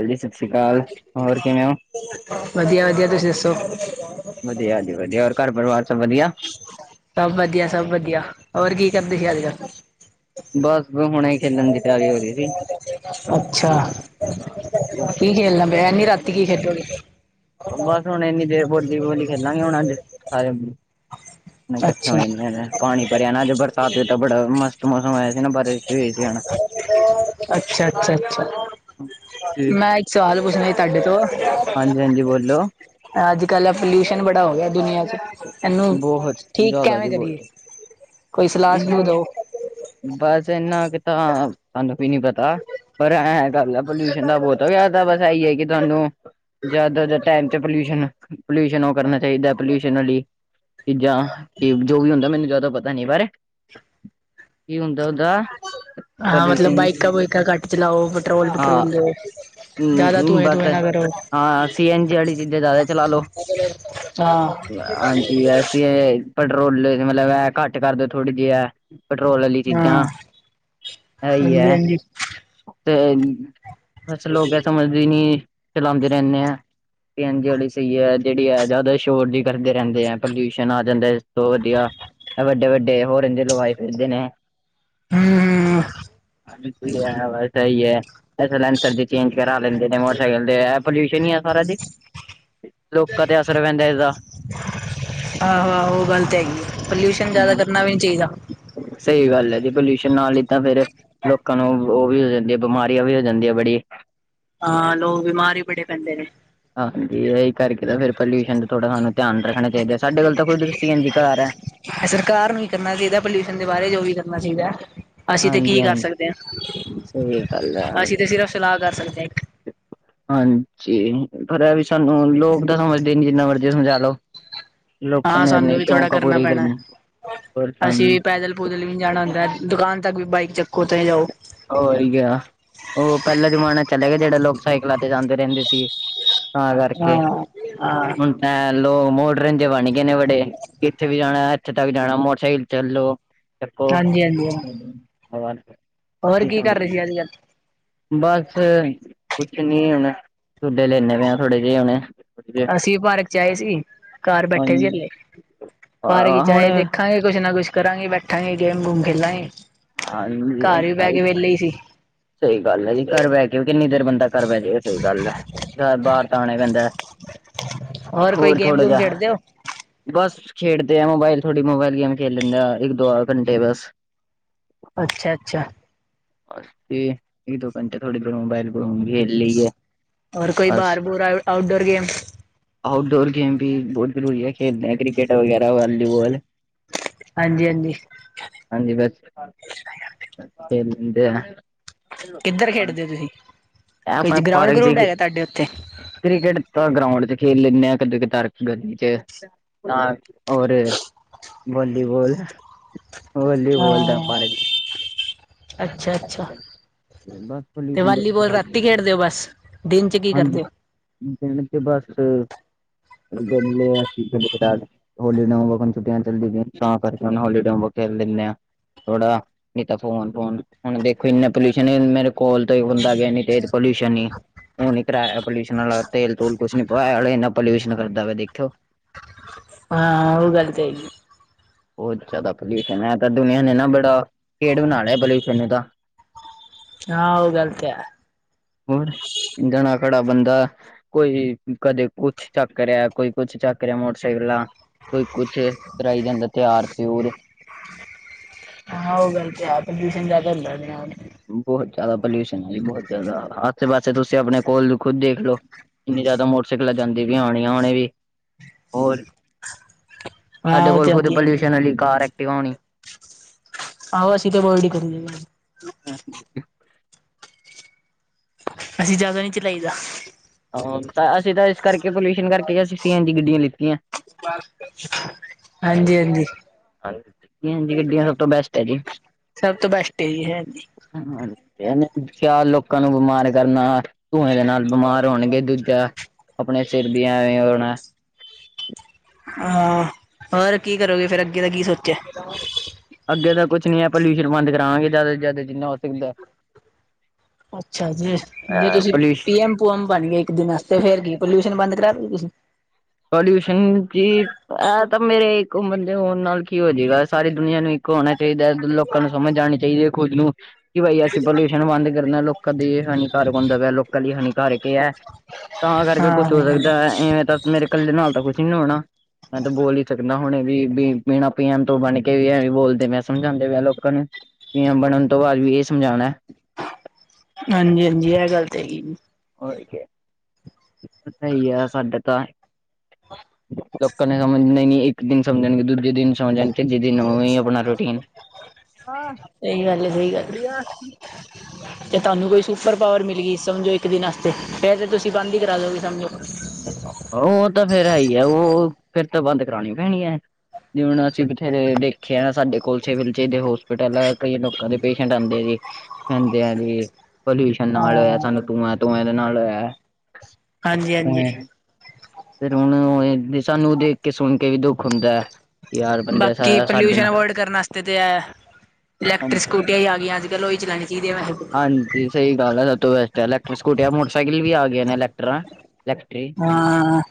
ਹਾਂਜੀ ਸਤਿ ਸ਼੍ਰੀ ਅਕਾਲ, ਹੋਰ ਕਿਵੇਂ ਹੋ? ਵਧੀਆਂ ਵਧੀਆਂ, ਤੁਸੀ ਦੱਸੋ? ਵਧੀਆਂ ਜੀ ਵਧੀਆਂ, ਹੋਰ ਘਰ ਪਰਿਵਾਰ ਸਭ ਵਧੀਆਂ? ਸਭ ਵਧੀਆ ਸਭ ਵਧੀਆਂ, ਹੋਰ ਕੀ ਕਰਦੇ ਸੀ ਅੱਜ ਕੱਲ੍ਹ? ਬਸ ਹੁਣੇ ਹੀ ਖੇਲਣ ਦੀ ਤਿਆਰੀ ਹੋ ਰਹੀ ਸੀ। ਬ [unintelligible] ਬੱਸ ਹੁਣ ਇੰਨੀ ਦੇਰ ਬੋਲੀਬੋਲ ਖੇਲਾਂਗੇ ਹੁਣ ਅੱਜ ਸਾਰੇ। ਅੱਛਾ [unintelligible] ਪਾਣੀ ਭਰਿਆ ਨਾ ਅੱਜ ਬਰਸਾਤ ਵਿੱਚ ਤਾਂ ਬੜਾ ਮਸਤ ਮੌਸਮ ਹੋਯਾ ਸੀ, ਨਾ ਬਾਰਿਸ਼ ਦੇ ਵਿਚ ਹੁਣ। ਅੱਛਾ ਅੱਛਾ ਅੱਛਾ, ਹਾਂਜੀ ਮੈਂ ਇੱਕ ਸਵਾਲ ਪੁਛ ਨੇ ਤੁਹਾਡੇ ਤੋਂ, ਹਾਂਜੀ ਬੋਲੋ ਅੱਜ ਕੱਲ ਪੋਲਿਊਸ਼ਨ ਬੜਾ ਹੋ ਗਿਆ ਦੁਨੀਆਂ ਚ ਇਹਨੂੰ ਬਹੁਤ ਠੀਕ ਕਵੇਂ ਕਰੀਏ? ਕੋਈ ਸਲਾਹ ਸਲੂਹ ਇਹਨਾ ਦਓ ਬਸ ਇੰਨਾ ਕਿ ਤਾਂ ਸਾਨੂੰ ਵੀ ਨੀ ਪਤਾ। ਪਰ ਐਂ ਗੱਲ ਹੈ ਪੋਲਿਊਸ਼ਨ ਦਾ ਬਹੁਤ ਹੋ ਗਯਾ ਬਸ ਇਹੀ ਹੈ ਕਿ ਤੁਹਾਨੂੰ ਜਾਦਾ ਟੈਮ ਚ ਪੋਲਊਸ਼ਨ-ਪੋਲਊਸ਼ਨ ਉਹ ਕਰਨਾ ਚਾਹੀਦਾ ਪੋਲਊਸ਼ਨ ਲਈ ਚੀਜ਼ਾਂ ਇਹ ਜੋ ਵੀ ਹੁੰਦਾ ਮੈਨੂੰ ਜ਼ਿਆਦਾ ਪਤਾ ਨਹੀਂ ਏਹ ਬਾਰੇ। ਕੀ ਹੁੰਦਾ ਉਦਾ? ਹਾਂ ਮਤਲਬ ਬਾਈਕਾਂ- ਬੁਇਕਾਂ ਘੱਟ ਚਲਾਓ। ਪੈਟਰੋਲ ਹਾਂ ਪੈਟਰੋਲ ਦਿਓ। ਹਮ ਬਸ ਹਾਂ ਸੀ- ਐਨ- ਜੀ ਵਾਲੀ ਚੀਜ਼ਾਂ ਜ਼ਿਆਦਾ ਚਲਾ ਲੋ। ਹਾਂ ਆਂਟੀ ਐ ਸੀ ਏ ਪੈਟਰੋਲ ਦੇ ਵਿਚ ਮਤਲਬ ਏਹ ਘੱਟ ਕਰ ਦੇ ਥੋੜੀ ਜਿ ਏਹ। ਪੈਟਰੋਲ ਆਲੀ ਹਾਂ ਚੀਜ਼ਾਂ ਹੈ ਈ ਹੈ। ਹਾਂਜੀ ਹਾਂਜੀ ਤੇ ਬਸ ਲੋਕ ਇਹ ਸਮਝਦੇ ਈ ਨੀ ਚਲਾਂਦੇ ਰਹਿਨੇ ਆ। ਸੀ ਐਨ ਜੀ ਵਾਲੀ ਸਹੀ ਹੈ। ਜਿਹੜੀ ਹੈ ਜ਼ਿਆਦਾ ਸ਼ੋਰ ਜੀ ਕਰਦੇ ਰਹਿੰਦੇ ਹੈ ਪੋਲਊਸ਼ਨ ਆ ਜਾਂਦਾ। ਬਹੁਤ ਵਧੀਆ ਐ ਵੱਡੇ ਵੱਡੇ ਹੋਰਨ ਜੇ ਲਵਾਏ ਫਿਰਦੇ ਨੇ। ਹਮ ਹਮ, ਹਾਂਜੀ, ਆ ਬਸ ਸਹੀ ਐ। ਸੈਲੈਂਸਰ ਚੇਂਜ ਕਰਾ ਲੈਂਦੇ ਨੇ ਮੋਟਰਸਾਈਕਲ ਤੇ ਪੋਲਿਊਸ਼ਨ ਹੀ ਆ ਸਾਰਾ ਜੀ। ਲੋਕਾਂ ਤੇ ਅਸਰ ਪੈਂਦਾ ਇਦਾ। ਆਹ ਉਹ ਗਲ ਤੇ ਹੈਗੀ ਏ ਪੋਲਊਸ਼ਨ ਜ਼ਿਆਦਾ ਕਰਨਾ ਵੀ ਨੀ ਚਾਹੀਦਾ। ਸਹੀ ਗੱਲ ਹੈ ਜੀ। ਪੋਲਊਸ਼ਨ ਨਾਲ ਹੀ ਤਾਂ ਫੇਰ ਲੋਕਾਂ ਨੂੰ ਉਹ ਵੀ ਹੋ ਜੇ। ਜੇ ਬਿਮਾਰੀਆਂ ਵੀ ਹੋ ਜਾਂਦੀਆਂ ਬੜੀ ਹਾਂ ਲੋਕ ਬਿਮਾਰ ਵੀ ਬੜੇ ਪੈਂਦੇ ਨੇ ਹਾਂਜੀ ਇਹੀ ਕਰਕੇ ਤਾ ਫੇਰ ਪਲੳਸ਼ਨ ਦਾ ਥੋੜ੍ਹਾ ਸਾਨੂੰ ਧਿਆਨ ਰੱਖਣਨਾ ਚਾਹੀਦਾ ਸਾਡੇ ਕੋਲ ਤਾਂ ਖੁਦ ਸੀਐਨਜੀ ਕਾਰ ਹੈ। ਸਰਕਾਰ ਨੂੰ ਵੀ ਕਰਨਾ ਚਾਹੀਦਾ ਪਲਊਸ਼ਨ ਦੇ ਬਾਰੇ ਜੋ ਵੀ ਕਰਨਾ ਚਾਹੀਦਾ ਹੈ ਅਸੀਂ ਤੇ ਹਾਂਜੀ ਕੀ ਕਰ ਹਾਂਜੀ ਸਕਦੇ ਸਹੀ ਗੱਲ ਹੈ ਅਸੀ ਤੇ ਸਿਰਫ ਸਲਾਹ ਕਰ ਸਕਦੇ ਏਕ ਹਾਂਜੀ ਪਰ ਇਹ ਵੀ ਸਾਨੂੰ ਲੋਕ ਤਾਂ ਸਮਝਦੇ ਨੀ ਜਿੰਨਾ ਮਰਜ਼ੀ ਸਮਝਾ ਲਓ। ਲੋਕਾਂ ਹਾਂ ਨੇ ਸਾਨੂੰ ਆਪਨੇ ਵੀ ਥੋੜ੍ਹਾ ਸ਼ੌਕ ਕਰਨਾ ਪੂਰੇ ਹੀ ਪੈਣਾ ਕਰਨੇ ਕੋਲ ਵੀ ਜਾਣਾ ਹੁੰਦਾ ਦੁਕਾਨ ਤੱਕ ਵੀ ਬਾਈਕ ਚੱਕੋ ਤੋ ਜਾਓ ਹੋਹੀ ਗਿਆ ਉਹ ਪਹਿਲਾ ਜਮਾਨੇ ਚਲੇ ਗਏ ਜਿਹੜਾ ਲੋਕ ਸਾਈਕਲਾਂ ਤੇ ਜਾਂਦੇ ਰਹਿੰਦੇ ਸੀ ਤਾਂ ਹਾਂ ਕਰਕੇ ਹਾਂ ਹੁਨ ਏ ਲੋਕ ਮੋਡਰਨ ਜੇ ਬਣ ਗਏ ਨੇ ਬੜੇ ਕਿੱਥੇ ਵੀ ਜਾਣਾ ਇੱਥੇ ਤੱਕ ਜਾਣਾ ਮੋਟਰਸਾਈਕਲ ਤੇ ਚੱਲ ਜੋ। ਚਪੋ ਹਾਂਜੀ ਹਾਂਜੀ ਹਾਂ ਹੋਰ ਕੀ ਕਰ ਰਹੇ ਸੀ [unintelligible] ਅੱਜ ਕੱਲ ਬਸ ਕੁਛ ਨੀ ਹੁਨਸ਼ ਥੁਡੇ ਲੈਨੇ ਪੈ ਹਾਂ ਥੋੜੇ ਜਿਹੇ ਹੁਨ ਅਸੀਂ ਵੀ ਪਾਰਕ ਚ ਆਏ ਸੀ ਘਰ ਬੈਠੇ ਸੀ ਹਾਂਜੀ, ਹੱਲੇ ਪਾਰਕ ਚ ਆਏ ਹੁਣੇ ਦੇਖਾਂਗੇ ਕੁਛ ਨਾ ਕੁੱਛ ਕਰਾਂਗੇ ਬੈਠਾਂਗੇ ਗੇਮ ਗੂਮ ਖੇਲਾਂਗੇ। ਆਾਂ ਘਰ ਵੀ ਬਹਿ ਕੇ ਵਿਹਲੇ ਹੀ [unintelligible] ਸੀ ਸਹੀ ਗੱਲ ਐ ਘਰ ਬਹਿ ਕੇ ਵੀ ਕਿੰਨੀ ਦੇਰ ਬੰਦਾ ਘਰ ਬਹਿ ਜੇਗਾ ਸਹੀ ਗੱਲ ਐ ਬਾਹਰ ਤਾਂ ਆਣਾ ਈ ਪੈਂਦਾ ਕੋਈ ਹੋਰ ਗੇਮ ਥੋੜਾ ਗੂਮ ਜਹਾ ਖੇਡਦੇ ਹੋ ਬਸ ਖੇਡਦੇ ਆ ਮੋਬਾਇਲ ਥੋੜੀ ਮੋਬਾਇਲ ਗੇਮ ਖੇਡ ਲੈਂਨੇ ਆ ਇੱਕ ਦੋ ਘੰਟੇ ਬਸ। ਅੱਛਾ- ਅੱਛਾ। [unintelligible] ਹੋਰ ਕੋਈ ਬਸ ਬਾਹਰ ਭੂਰ ਆ ਆਊਟਡੋਰ ਗੇਮ ਆਊਟਡੋਰ ਗੇਮ ਵੀ ਬਹੋਤ ਜ਼ਰੂਰੀ ਏ ਖੇਡਦੇ ਕ੍ਰਿਕਟ ਵਗੈਰਾ ਵਾਲੀਬੋਲ ਹਾਂਜੀ -ਹਾਂਜੀ। ਹਾਂਜੀ ਬਸ [unintelligible] ਕਿੱਧਰ ਖੇਡਦੇ ਹੋ ਤੁਹੀ ਕੋਈ ਆਪਣੇ ਗਰਾਉਂਡ ਪਾਰਕ ਚ ਗਰੁੱਡ ਹੈਗਾ ਤੁਹਾਡੇ ਉੱਥੇ। ਕ੍ਰਿਕਟ ਤਾ ਗਰਾਉਂਡ ਚ ਖੇਲ ਲੈਂਦੇ ਆ ਕਦੀ ਕਦਾਰ ਗਲੀ ਚ [unintelligible] ਔਰ ਵੋਲੀਬੋਲ ਹਾਂ [unintelligible] ਅੱਛਾ- ਅੱਛਾ ਬਸ ਤੇ ਵਾਲੀਬੋਲ ਪੋਲਿਊਸ਼ਨ ਰਾਤੀ ਖੇਡਦੇ ਹੋ ਬਸ। ਦਿਨ ਚ ਕੀ ਹਾਂਜੀ ਕਰਦੇ ਓ ਦਿਨ ਚ ਬਸ ਵੇਲੇ ਆ ਕਦੀ ਕਤਾਰ ਹੋਲੀਡੇ ਹੋਮਵਰਕ ਛੁੱਟੀਆਂ ਚੱਲਦੀ ਪੀਐ ਤਾ ਕਰਕੇ ਨਾ ਹੋਲੀਡੇ ਖੇਲ ਲਿੰਦੇ ਆਂ ਥੋੜਾ ਨਹੀਂ ਤਾਂ ਫੋਨ ਫੋਨ ਹੁਨ ਦੇਖੋ ਇਨੇ ਪੋਲਿਊਸ਼ਨ ਮੇਰੇ ਕੋਲ ਤੋਂ ਹੀ ਹੁੰਦਾ ਗਿਆ ਨੀ ਤੇ ਪੋਲਿਊਸ਼ਨ ਹੀ ਹੂਨ ਈ ਕਰਵਾਇਆ ਪੋਲਿਊਸ਼ਨ ਵਾਲਾ ਤੇਲ ਤੂਲ ਕੁਛ ਨੀ ਪੁਇਆ ਹਾਲੇ ਇਨਾ ਪੋਲਿਊਸ਼ਨ ਕਰਦਾ ਵ ਦੇਖਿਓ ਹਾਂ ਉਹ ਗਲਤ ਹੈਗੀ ਬਹੋਤ ਜ਼ਿਆਦਾ ਪੋਲਿਊਸ਼ਨ ਐ ਤਾਂ ਦੁਨੀਆਂ ਨੇ ਨਾ ਬੜਾ ਭੇਡ ਬਣਾ ਲਿਆ ਪੋਲਿਊਸ਼ਨ ਇਹਦਾ [inaudible] ਹਾਂ ਉਹ ਗਲ ਤੇ ਹੈ ਹੁਣ ਜਣਾ ਖੜਾ ਬੰਦਾ ਕੋਈ ਕਦੇ ਕੁਛ ਚੱਕ ਰਿਹਾ ਕੋਈ ਕੁਛ ਚੱਕ ਰਿਹਾ ਮੋਟਰਸਾਈਕਲਾਂ ਕੋਈ ਕੁਛ ਕਰਈ ਜਾਂਦਾ ਤਿਆਰ ਤਿਉਰ ਹਾਂ ਉਹ ਗਲ ਤਾ ਹੈ। ਪ੍ਰਦਊਸ਼ਣ ਜ਼ਿਆਦਾ ਹੁੰਦਾ ਓਦੇ ਨਾਲ। ਬਹੁਤ ਜ਼ਿਆਦਾ ਪੋਲਿਊਸ਼ਨ ਹੈ ਜੀ। ਬਹੁਤ ਜ਼ਿਆਦਾ ਆਸੇ-ਪਾਸੇ ਤੁਸੀਂ ਆਪਣੇ ਕੋਲ ਨੂੰ ਖੁਦ ਦੇਖ ਲਓ। ਇਨੀ ਜ਼ਿਆਦਾ ਮੋਟਰਸਾਈਕਲ ਜਾਂਦੀ ਪਾਈਆਂ ਹੋਣੀਆਂ ਹੁਣੇ ਵੀ ਹੋਰ ਸਾਡੇ ਹਾਂ ਉਹ ਕੋਲ ਤੇ ਖੁਦ ਆਉਂਦੀ ਹੈ ਪੋਲਿਊਸ਼ਨ ਵਾਲੀ ਕਾਰ ਐਕਟਿਵਾ ਹੋਣੀ ਅਹੋ ਅਸੀ ਤੇੇ [unintelligible] [unintelligible] ਅਸੀਂ ਜ਼ਿਆਦਾ ਨਹੀਂ ਚਲਾਈਦਾ ਹਾਂ ਅਸੀਂ ਤਾਂ ਇਸ ਕਰਕੇ ਪੋਲਿਊਸ਼ਨ ਕਰਕੇ ਅਸੀਂ ਸੀ ਐਨ ਜੀ ਦੀ ਗੱਡੀਆਂ ਲਿੱਤੀਆਂ [unintelligible] ਹਾਂਜੀ ਹਾਂਜੀ [unintelligible] ਹਾਂਜੀ ਸੀਐਂਜੀ ਗੱਡੀਆਂ ਸਭ ਤੋਂ ਬੈਸਟ ਹੈ ਜੀ। ਸਭ ਤੋ ਬੈਸਟ ਇਹ ਹੈ ਜੀ ਹ ਇਹਨ ਕੇਆ ਲੋਕਾਂ ਨੂੰ ਬਿਮਾਰ ਕਰਨਾ ਧੂੰਏ ਦੇ ਨਾਲ ਬਿਮਾਰ ਹੋਣਗੇ ਦੂਜਾ ਆਪਣੇ ਸਿਰ ਵੀਆਂ ਹੋਣਾ ਹਾਂ ਹੋਰ ਕੀ ਕਰੋਗੇ ਫਿਰ ਅੱਗੇ ਦਾ ਕੀ ਸੋਚਿਆ? [unintelligible] ਅੱਗੇ ਤਾਂ ਕੁੱਛ ਨੀ ਹੈ ਪੋਲਿਊਸ਼ਨ ਬੰਦ ਕਰਾਵਾਂਗੇ। ਜ਼ਿਆਦਾ ਤੋਂ ਜ਼ਿਆਦਾ ਜਿੰਨਾ ਹੋ ਸਕਦਾ। ਅੱਛਾ ਜੀ ਜੇ ਅ ਤੁਸੀਂ ਪੋਲਿਊਸ਼ ਪੀਐਮ, ਪੂਐਮ ਬਣ ਗਏ ਇੱਕ ਦਿਨ ਆਸਤੇ ਫੇਰ ਕੀ ਪੋਲਿਊਸ਼ਨ ਬੰਦ ਕਰਾ ਦੋ ਗੇ ਤੁਸੀਂ? ਪੋਲਿਊਸ਼ਨ ਜੀ ਇਹ ਤਾਂ ਮੇਰੇ ਇੱਕ ਉਮਰ ਦੇ ਹੋਣ ਨਾਲ ਕੀ ਹੋ ਜਾਏਗਾ। ਸਾਰੀ ਦੁਨੀਆਂ ਨੂੰ ਹੋਣਾ ਚਾਹੀਦਾ ਲੋਕਾਂ ਨੂੰ ਸਮਝ ਆਣੀ ਚਾਈਦੀ ਆ ਖੁਦ ਨੂੰ ਕਿ ਬਾਈ ਅਸੀਂ ਪੋਲਿਊਸ਼ਨ ਬੰਦ ਕਰਨਾ। ਲੋਕਾਂ ਦੀ ਹਾਨੀਕਾਰਕ ਹੁੰਦਾ ਪਿਆ, ਲੋਕਾਂ ਲਈ ਹਾਨੀਕਾਰਕ ਹੈ। ਤਾਂ ਕਰਕੇ ਕੁਛ ਹੋ ਹਾਂ ਸਕਦਾ ਇਵੇਂ ਤਾਂ ਮੇਰੇ ਇਕੱਲੇ ਨਾਲ ਤਾਂ ਕੁਛ ਨੀ ਨਾ ਹੋਣਾ। ਮੈਂ ਤਾਂ ਬੋਲ ਹੀ ਸਕਦਾ ਹੁਣ ਵੀ ਬੀਣਾ ਪੀਅਮ ਤੋਂ ਬਣ ਕੇ ਵੀ ਐਵੇਂ ਬੋਲਦੇ। ਮੈਂ ਸਮਝਾਉਂਦੇ ਵੀਆ ਲੋਕਾਂ ਨੂੰ ਪੀਐਮ ਬਣਨ ਤੋਂ ਬਾਅਦ ਵੀ ਇਹ ਸਮਝਾਣਾ। ਹਾਂਜੀ, ਹਾਂਜੀ ਇਹ ਗੱਲ ਤੇ ਹੈਗੀ। ਸਹੀ ਆ ਸਾਡੇ ਤਾਂ ਲੋਕਾਂ ਨੇ ਸਮਝ ਨਈ ਇੱਕ ਦਿਨ ਸਮਝਣਗੇ, ਦੂਜੇ ਦਿਨ ਸਮਝਣਗੇ ਤੇ ਜੀਦੀ ਨੂੰ ਆਪਣਾ ਰੂਟੀਨ ਜ ਤੁਹਾਨੂੰ ਕੋਈ ਸੁਪਰ ਪਾਵਰ ਮਿਲ ਗਈ ਸਮਝੋ ਇੱਕ ਦਿਨ ਵਾਸਤੇ ਫਿਰ ਤਾਂ, ਤੁਸੀਂ ਬੰਦ ਈ ਕਰਾ ਦਿਉਗੇ ਸਮਝੋ। ਉਹ ਤਾਂ ਫੇਰ ਹੈ ਹੀ ਆ। ਉਹ ਫਿਰ ਤਾਂ ਬੰਦ ਕਰਾਉਣੀ ਪੈਣੀ ਐ। ਜੇ ਹੁਣ ਅਸੀਂ ਬਥੇਰੇ ਦੇਖੇ ਆ ਸਾਡੇ ਕੋਲ ਸਿਵਲ ਚਦੇ ਹੋਸਪਿਟਲ ਆ ਕਈ ਲੋਕਾਂ ਦੇ ਪੇਸ਼ੈਂਟ ਆਦੇ ਜੇ। ਕਹਿੰਦੇ ਆ ਜੀ ਪੋਲਿਊਸ਼ਨ ਨਾਲ ਹਾਂ ਸਾਨੂੰ ਧੂੰਆਂ, ਧੂੰਆਂ ਦੇ ਨਾਲ ਹੋਇਆ ਹਾਂਜੀ, ਹਾਂਜੀ ਫਿਰ ਹੁਣ ਸਾਨੂੰ ਦੇਖ ਕੇ ਸੁਣ ਕੇ ਵੀ ਦੁੱਖ ਹੁੰਦਾ ਐ। ਬਾਕੀ ਪੋਲਿਊਸ਼ਨ ਅਵੋਇਡ ਕਰਨ ਵਸਤੇ ਤਾਂ ਇਲੈਕਟ੍ਰਿਕ ਹਾਂਜੀ ਸਕੂਟੀਆਂ ਹੀ ਆ ਗਈਆਂ ਅੱਜ ਲੋਈ ਚਲਾਣੀ ਚਾਹੀਦੀ ਤੇ। ਹਾਂਜੀ ਸਹੀ ਗੱਲ ਹੈ ਸਭ ਤੋਂ ਬੈਸਟ ਇਲੈਕਟਰ ਸਕੂ ਮੋਟਰਸਾਈਕਲ ਵੀ ਆ ਗਏ ਨੇ ਇਲੈਕਟਰਾਂ ਲੈਫਟਰੀ। ਹਾਂ।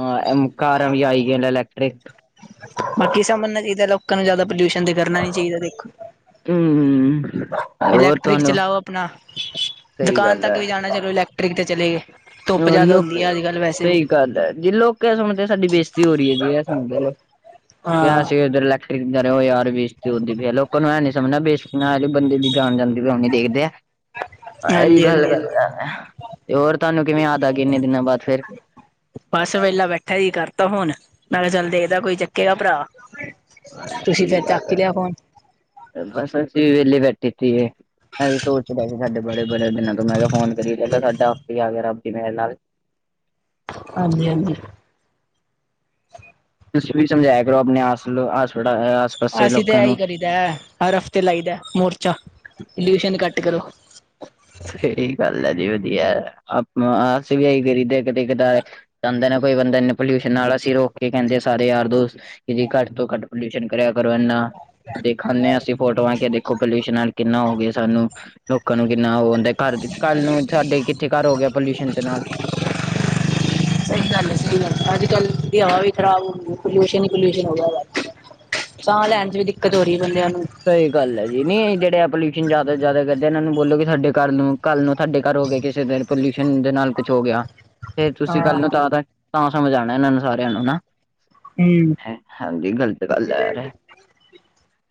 ਹਾਂ ਕਾਰਾਂ ਵੀ ਆਈ ਗਈਆਂ ਇਲੈਕਟ੍ਰਿਕ ਬਾਕੀ ਸਮਝਣਾ ਚਾਹੀਦਾ ਲੋਕਾਂ ਨੂੰ ਜ਼ਿਆਦਾ ਪੋਲਿਊਸ਼ਨ ਇੰਜ ਕਰਨਾ ਨੀ ਚਾਹੀਦਾ, ਦੇਖੋ ਹਮ ਹੋਰ ਇਲੈਕਟ੍ਰਿਕ ਤੁਹਾਨੂੰ ਚਲਾਓ। ਆਪਣਾ ਸਹੀ ਦੁਕਾਨ ਗੱਲ ਤੱਕ ਹੈ ਵੀ ਜਾਣਾ ਚਲੋ, ਇਲੈਕਟ੍ਰਿਕ ਤੇ ਚਲੇ ਗਏ। ਧੁੱਪ ਜ਼ਿਆਦਾ ਲੋਕ ਹੁੰਦੀ ਆ ਅੱਜ-ਕੱਲ੍ਹ ਵੈਸੇ ਵੀ [inaudible] ਉਹ ਹਾਂ ਯਾਰ ਬੇਜਤੀ ਹੁੰਦੀ ਪਈ ਆ ਲੋਕਾਂ ਨੂੰ ਐਂ ਨ ਸਮਝਣਾ ਬੇਸਤੀ ਬੰਦੇ ਦਈ ਜਾਣ ਜਾਂਦੇ ਵੀ ਨ ਦੇਖਦੇ ਇਹ ਵੀ ਹਾਂਜੀ ਗੱਲ, ਹਾਂਜੀ ਗੱਲ ਹਾਂਜੀ ਕਰ ਤੇ ਹੋਰ ਤੁਹਾਨੂੰ ਕਿਵੇਂ ਯਾਦ ਆ ਗਈ ਇਨੇ ਦਿਨਾਂ ਬਾਦ ਫਿਰ? ਬਸ ਵੇਲਾ ਬੈਠਾ ਸੀ ਕਰਤਾ ਫੋਨ। ਮੈਂ ਦੇਖਦਾ ਕੋਈ ਚੱਕੇਗਾ ਭਰਾ ਤੁਸੀਂ ਸਹੀ ਫੇਰ ਗੱਲ ਚੱਕ ਹੀ ਲਿਆ ਫੋਨ। ਬਸ ਅਸੀਂ ਵੇਲੇ ਬੈਠੇ ਤੀਗੇ। ਮੈਂ ਵੀ ਸੋਚ ਰਿਹਾ ਸੀ ਤੁਹਾਡੇ ਬਾਰੇ ਬੜੇ ਦਿਨਾਂ ਤੋਂ ਮੈਂ ਕਿਹਾ ਫੋਨ ਕਰੀਏ। ਤੁਹਾਡਾ ਆਪ ਹੀ ਆ ਗਿਆ ਰੱਬ ਦੀ ਮਿਹਰ ਨਾਲ। ਹਾਂਜੀ ਹਾਂਜੀ। ਤੁਸੀ ਵੀ ਸਮਝਾਇਆ ਕਰੋ। ਆਸਰੋ ਥੋੜਾ ਅਸੀਂ ਤਾਂ ਇਹੀ ਕਰੀਦਾ ਹਰ ਹਫ਼ਤੇ ਲਾਈ ਦਾ ਮੋਰਚਾ। ਪੋਲਿਊਸ਼ਨ ਘੱਟ ਕਰੋ। ਸਹੀ ਗੱਲ ਹੈ ਜੀ ਵਧੀਆ, ਆਪਾ ਅਸੀਂ ਵੀ ਆਹੀ ਕਰੀਦੇ ਕਦੀ ਕਦਾਰ ਜਾਂਦਾ ਨਾ ਕੋਈ ਬੰਦਾ ਇਨੇ ਪੋਲਿਊਸ਼ਨ ਨਾਲ ਅਸੀਂ ਰੋਕ ਕੇ ਕਹਿੰਦੇ ਸਾਰੇ ਯਾਰ, ਦੋ ਕਿ ਘੱਟ ਤੋਂ ਘੱਟ ਪੋਲਿਊਸ਼ਨ ਕਰੇਆ ਕਰੋ ਇੰਨਾ। ਦੇਖਾਨੇ ਆ ਅਸੀ ਫੋਟੋਆਂ ਕਿ ਦੇਖੋ ਪਲੀਊਸਨ ਕਿੰਨਾ ਹੋਗਿਆ ਅਜ ਸਾਨੂੰ। ਲੋਕਾਂ ਨੂੰ ਕਿੰਨਾ ਉਹ ਹੁੰਦਾ। ਘਰ ਕੱਲ੍ਹ ਨੂੰ ਸਾਡੇ ਕਿੱਥੇ ਘਰ ਹੋ ਗਿਆ ਪੋਲਿਊਸ਼ਨ ਦੇ ਨਾਲ [inaudible] ਸਹੀ ਗੱਲ ਹੈ ਸਹੀ ਗੱਲ ਅੱਜ ਕੱਲ ਦੀ ਹਵਾ ਵੀ ਖ਼ਰਾਬ ਹੋ ਗਈ ਹੈ ਪੋਲਿਊਸ਼ਨ ਹੀ ਪੋਲਿਊਸ਼ਨ ਹੋ ਗਿਆ ਸਾਹ ਲੈਣ ਚ ਵੀ ਦਿੱਕਤ ਹੋ ਰਹੀ ਹੈ ਬੰਦਿਆਂ ਨੂੰ ਸਹੀ ਗੱਲ ਹੈ ਜੀ ਨੀ ਜਿਹੜੇ ਆ ਪੋਲਿਊਸ਼ਨ ਜ਼ਿਆਦਾ ਜ਼ਿਆਦਾ ਕਰਦੇ ਇਹਨਾਂ ਨੂੰ ਬੋਲੋ ਕਿ ਸਾਡੇ ਘਰ ਨੂੰ ਕੱਲ੍ਹ ਨੂੰ ਤੁਹਾਡੇ ਘਰ ਹੋ ਗਏ ਕਿਸੇ ਦਿਨ ਪੋਲਿਊਸ਼ਨ ਦੇ ਨਾਲ ਕੁੱਛ ਹੋ ਗਿਆ ਫੇਰ ਤੁਸੀਂ ਹਾਂ ਕੱਲ ਨੂੰ ਤਾਂ ਤਾਂ ਸਮਝ ਆਉਣਾ ਇਹਨਾਂ ਨੂੰ ਸਾਰਿਆਂ ਨੂੰ ਨਾ ਹਮ ਹਾਂਜੀ ਗਲਤ ਗੱਲ ਆ ਯਾਰ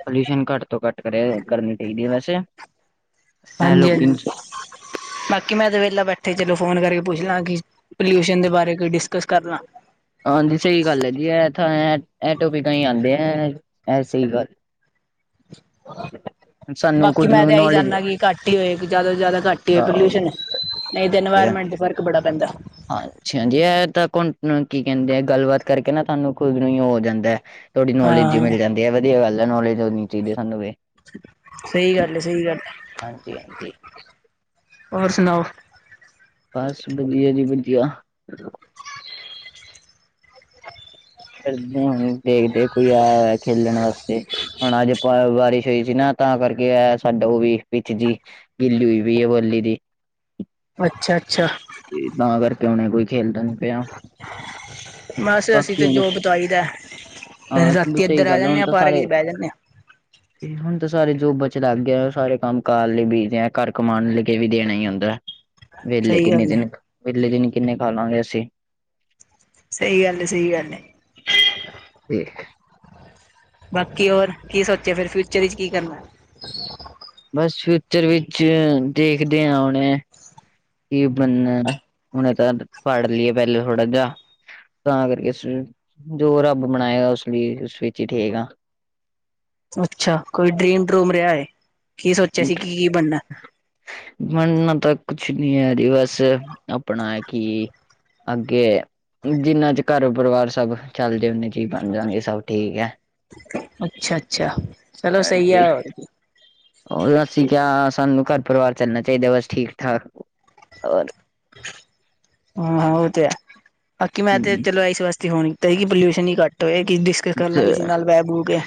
ਪੋਲਿਊਸ਼ਨ ਘੱਟ ਤੋਂ ਘੱਟ ਕਰਨੀ ਚਾਹੀਦੀ ਹੈ ਵੈਸੇ ਐ ਹਾਂਜੀ ਲੋਕੀ ਹਾਂਜੀ ਬਾਕੀ ਮੈਂ ਤੇ ਵੇਲਾ ਬੈਠਾ ਤੇ ਚਲੋ ਫੋਨ ਕਰਕੇ ਪੁੱਛ ਲਾਂ ਕਿ ਪੋਲਿਊਸ਼ਨ ਦੇ ਬਾਰੇ ਕੋਈ ਡਿਸਕਸ ਕਰ ਲਾਂ ਹਾਂਜੀ ਸਹੀ ਗੱਲ ਹੈ ਜੀ ਇਹ ਤਾਂ ਐਟੋ ਪਿਕਾਂ ਹੀ ਆਉਂਦੇ ਆ ਸਹੀ ਗੱਲ ਸਾਨੂੰ ਬਾਕੀ ਖੁਦ ਮੈਂ ਨੂੰ ਤੇ ਇਹੀ ਨੌਲੇਜ ਚਾਨਾ ਕਿ ਘੱਟ ਹੀ ਹੋਏ ਜਿਆਦਾ ਤੋਂ ਜਿਆਦਾ ਘੱਟ ਏਅ ਪੋਲਿਊਸ਼ਨ ਹਾਂਜੀ ਨਹੀਂ ਤਾਂ ਇਨਵਾਇਰਮੈਂਟ ਦਾ ਫ਼ਰਕ ਬੜਾ ਪੈਂਦਾ ਅੱਛਾ ਹਾਂ ਜੀ ਇਹ ਤਾਂ ਕੀ ਕਹਿੰਦੇ ਆ ਗੱਲਬਾਤ ਕਰਕੇ ਨਾ ਤੁਹਾਨੂੰ ਖੁਦ ਨੂੰ ਹੀ ਹੋ ਜਾਂਦਾ ਹੈ। ਥੋੜੀ ਨੌਲੇਜ ਜੀ ਹਾਂ ਮਿਲ ਜਾਂਦੀ ਹੈ ਵਧੀਆ ਗੱਲ ਹੈ ਨੌਲੇਜ ਹੋਣੀ ਚਾਹੀਦੀ ਸਾਨੂੰ ਵੀ ਸਹੀ ਗੱਲ ਹੈ ਸਹੀ ਗੱਲ ਹਾਂਜੀ ਹਾਂਜੀ ਹੋਰ ਸੁਣਾਓ ਬਸ ਵਧੀਆ ਜੀ ਵਧੀਆ ਫੇਰ ਹੁਣ ਦੇਖਦੇ ਕੋਈ ਆਇਆ ਖੇਲਣ ਵਾਸਤੇ ਹੁਣ ਅੱਜ ਬਾਰਿਸ਼ ਹੋਈ ਸੀ ਨਾ ਤਾਂ ਕਰਕੇ ਆ ਸਾਡਾ ਉਹ ਵੀ ਭਿੱਜ ਗਈ ਗਿੱਲੀ ਵੀ ਬਲੀ ਦੀ ਅੱਛਾ ਅੱਛਾ ਤੇ ਤਾਂ ਕਰਕੇ ਹੁਣੇ ਕੋਈ ਖੇਲਦਾ ਨੀ ਪਿਆ ਬਸ ਅਸੀਂ ਬਾਕੀ ਤਾਂ ਹੁਣ ਜੋਬ ਤੋਂ ਆਈ ਦਾ ਹਾਂ ਰਾਤੀ ਇੱਧਰ ਆ ਜਾਨੇ ਆ, ਪਾਰਕ ਚ ਬਹਿ ਜਾਨੇ ਆ, [inaudible] ਤੇ ਹੁਣ ਤਾਂ ਸਾਰੇ ਜੋ ਬਚਣ ਲੱਗ ਗਏ ਉਹ ਸਾਰੇ ਕੰਮ ਕਾਰ ਲਈ ਬੀਜ ਆ ਘਰ ਕਮਾਉਣ ਲਗੇ ਵੀ ਦੇਣਾ ਹੀ ਹੁੰਦਾ ਵਿਹਲੇ ਸਹੀ ਕਿੰਨੇ ਗੱਲ ਹੈ ਦਿਨ ਵਿਹਲੇ ਦਿਨ ਕਿੰਨੇ ਖਾ ਲਾਂਗੇ ਅਸੀਂ। ਸਹੀ ਗੱਲ ਹੈ ਸਹੀ ਗੱਲ ਹੈ ਤੇ ਬਾਕੀ ਹੋਰ ਕੀ ਸੋਚਿਆ ਫਿਰ ਫਿਊਚਰ ਵਿਚ ਕੀ ਕਰਨਾ? ਬਸ ਫਿਊਚਰ ਵਿੱਚ ਦੇਖਦੇ ਹਾਂ ਉਹਣੇ ਕੀ ਬਨਾ, ਹੁਣੇ ਤਾਂ ਪੜ੍ਹ ਲਈਏ ਪਹਿਲੇ ਥੋੜਾ ਜਿਹਾ। ਤਾਂ ਕਰਕੇ ਜੋ ਰੱਬ ਬਣਾਏਗਾ, ਉਸ ਵਿੱਚ ਹੀ ਠੀਕ ਆ। ਅੱਛਾ ਕੋਈ ਡਰੀਮ ਡਰੂਮ ਰਿਹਾ ਹੈ ਕਿ ਸੋਚਿਆ ਸੀ ਕੀ ਕੀ ਬਣਨਾ? ਮੰਨਣਾ ਤਾਂ ਕੁਛ ਨੀ ਹੈ ਜੀ ਬਸ ਆਪਣਾ ਕੀ ਅੱਗੇ ਜਿੰਨਾ ਚ ਘਰ ਪਰਿਵਾਰ ਸਭ ਚੱਲ ਜਾ ਨਾ ਚ ਹੀ ਬਣ ਜਾਗੇ ਸਭ ਠੀਕ ਹੈ। ਅੱਛਾ-ਅੱਛਾ ਚਲੋ ਸਹੀ ਹੈ। ਉਹ ਅਸੀਂ ਕਿਹਾ ਸਾਨੂੰ ਘਰ ਪਰਿਵਾਰ ਚੱਲਣਾ ਚਾਹੀਦਾ ਬਸ ਠੀਕ ਠਾਕ ਔਰ ਹਾਂ ਹਾਂ ਉਹ ਤੇ ਹੈ, ਬਾਕੀ ਮੈਂ ਹੂੰ, ਤੇ ਚਲੋ ਇਸ ਵਾਸਤੇ ਫੋਨ ਕੀਤਾ ਸੀ ਕਿ ਪੋਲਿਊਸ਼ਨ ਹੀ ਘੱਟ ਹੋਏ ਕਿਸੇ ਦੀ ਕਰਨਾ ਵੀ ਸੀ ਨਾਲ ਬਹਿ ਬੂ ਕੇ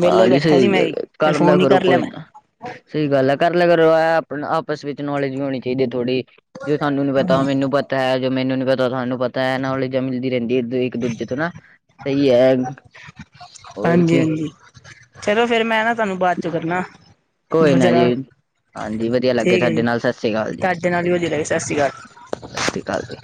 ਵਿਹਲਾ ਹੀ ਬੈਠਾ ਸਹੀ ਸੀ, ਮੈਂ ਗੱਲ ਫਿਰ ਐ ਤੈਨੂੰ ਫੋਨ ਹੀ ਕਰੋ ਕਰ ਲਿਆ ਕੋਈ ਮੈਂ ਨਾ। ਸਹੀ ਗੱਲ ਹੈ ਕਰ ਲਿਆ ਕਰੋ ਆਪ ਆਪਸ ਵਿੱਚ ਨੌਲੇਜ ਵੀ ਹੋਣੀ ਚਾਹੀਦੀ ਹੈ ਥੋੜ੍ਹੀ ਜੋ ਤੈਨੂੰ ਨੀ ਪਤਾ ਉਹ ਮੈਨੂੰ ਪਤਾ ਹੈ ਜੋ ਮੈਨੂੰ ਨੀ ਪਤਾ ਉਹ ਤੁਾਨੂੰ ਪਤਾ ਤਾਂ ਇਹ ਨੌਲੇਜ ਮੀਲਦੀ ਰਹਿੰਦੀ ਇੱਕ ਦੂਜੇ ਤੋਂ ਨਾ ਸਹੀ ਹੈ। ਹੋਰ ਹਾਂਜੀ ਕੀ ਹਾਂਜੀ ਚਲੋ ਫੇਰ ਮੈਂ ਨਾ ਤੁਹਾਨੂੰ ਬਾਅਦ ਚੋਂ ਕਰਨਾ। ਕੋਈ ਨਾ ਜਰਾ ਜੀ। ਹਾਂਜੀ ਵਧੀਆ ਲੱਗਾ ਠੀਕ ਹੈ ਤੁਹਾਡੇ ਜੀ। ਨਾਲ ਸਤਿ ਸ੍ਰੀ ਅਕਾਲ ਜੀ- ਤੁਹਾਡੇ ਨਾਲ ਹੀ ਵਧੀਆ ਲੱਗੇ ਸ਼੍ਰੀ ਅਕਾਲ। ਸਤਿ ਸ੍ਰੀ ਅਕਾਲ ਜੀ।